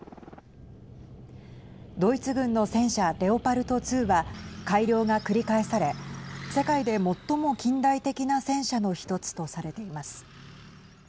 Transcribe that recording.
ドイツ軍の戦車レオパルト２は改良が繰り返され世界で最も近代的な戦車の１つとされています。